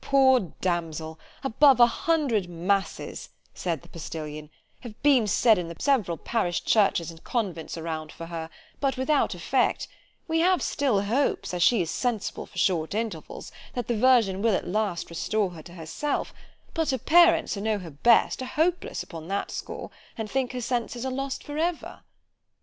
poor damsel! above a hundred masses, said the postillion, have been said in the several parish churches and convents around, for her,——but without effect; we have still hopes, as she is sensible for short intervals, that the Virgin at last will restore her to herself; but her parents, who know her best, are hopeless upon that score, and think her senses are lost for ever.